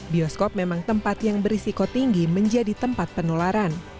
bioskop memang tempat yang berisiko tinggi menjadi tempat penularan